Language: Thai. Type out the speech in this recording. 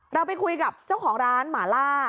เราไปคุยกับเจ้าของร้านหมาล่า